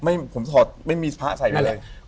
ไม่ผมถอดไม่มีพะใส่ไปเลย